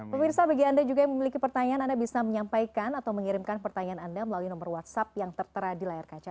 pemirsa bagi anda juga yang memiliki pertanyaan anda bisa menyampaikan atau mengirimkan pertanyaan anda melalui nomor whatsapp yang tertera di layar kaca